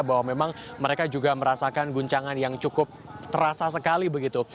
bahwa memang mereka juga merasakan guncangan yang cukup terasa sekali begitu